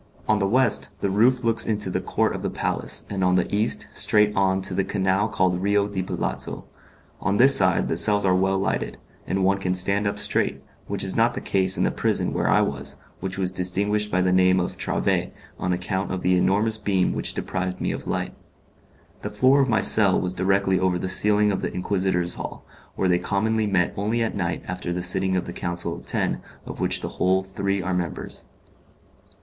On the west the roof looks into the court of the palace, and on the east straight on to the canal called Rio di Palazzo. On this side the cells are well lighted, and one can stand up straight, which is not the case in the prison where I was, which was distinguished by the name of 'Trave', on account of the enormous beam which deprived me of light. The floor of my cell was directly over the ceiling of the Inquisitors' hall, where they commonly met only at night after the sitting of the Council of Ten of which the whole three are members.